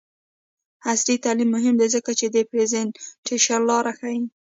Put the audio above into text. عصري تعلیم مهم دی ځکه چې د پریزنټیشن لارې ښيي.